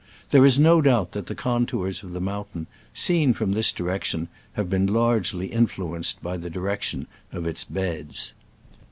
There is no doubt that the contours of the mountain, seen from this direction, have been largely in fluenced by the direction of its beds.